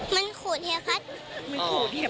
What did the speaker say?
มันขูดเฮียพัฒน์